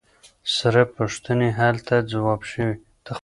ثره پوښتنې هلته ځواب شوي.